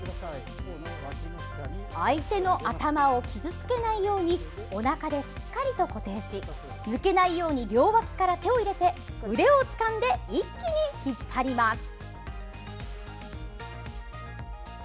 相手の頭を傷つけないようにおなかでしっかりと固定し抜けないように両脇から手を入れ腕をつかんで一気に引っ張ります。